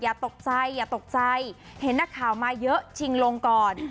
อย่าตกใจอย่าตกใจเห็นนักข่าวมาเยอะชิงลงก่อน